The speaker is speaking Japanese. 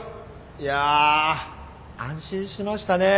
いや安心しましたね